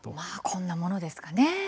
こんなものですかね。